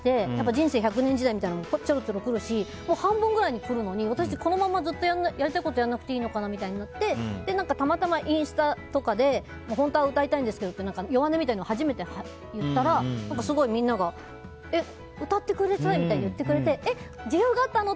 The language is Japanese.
人生１００年時代みたいなのもちょろちょろくるし半分くらいになるのにずっとやりたいことをやらなくていいのかなみたいになってたまたま、インスタとかで本当は歌いたいんですけどって弱音みたいなのを初めて言ったらすごいみんなが歌ってくださいって言ってくれてえ、需要があったの？